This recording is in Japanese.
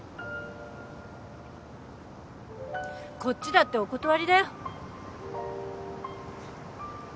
こっちだってお断りだよ。